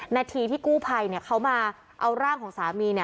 นาทีที่กู้ภัยเขามาเอาร่างของสามี